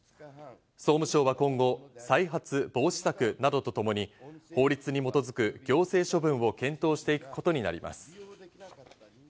総務省は今後、再発防止策などとともに法律に基づく行政処分を検討していくことになります。